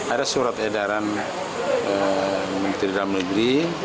ada surat edaran menteri dalam negeri